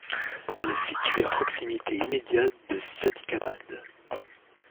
Elle est située à proximité immédiate de Sadiqabad.